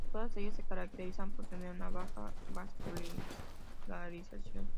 Todas ellas se caracterizan por tener una baja vascularización.